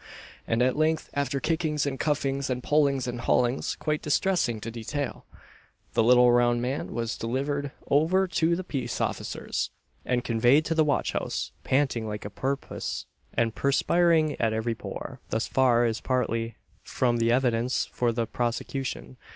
and at length, after kickings and cuffings, and pullings and haulings, quite distressing to detail, the little round man was delivered over to the peace officers, and conveyed to the watch house, panting like a porpoise, and perspiring at every pore. Thus far is partly from the evidence for the prosecution.